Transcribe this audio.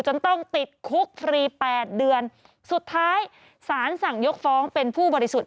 จนต้องติดคุกฟรีแปดเดือนสุดท้ายสารสั่งยกฟ้องเป็นผู้บริสุทธิ์